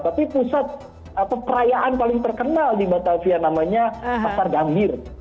tapi pusat perayaan paling terkenal di batavia namanya pasar gambir